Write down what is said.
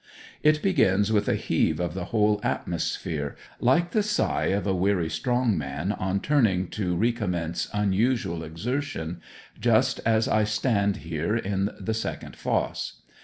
It begins with a heave of the whole atmosphere, like the sigh of a weary strong man on turning to re commence unusual exertion, just as I stand here in the second fosse.